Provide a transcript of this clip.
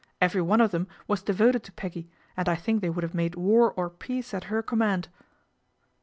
Every one of them was devoted to Peggy, and I think they would have made war or peace at her command."